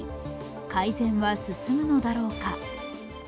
改善は進むのだろうか。